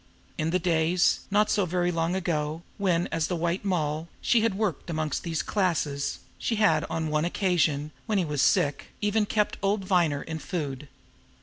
In the days not so very long ago when, as the White Moll, she had worked amongst these classes, she had on one occasion, when he was sick, even kept old Viner in food.